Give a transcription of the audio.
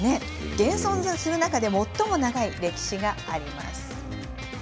現存する中で最も長い歴史があります。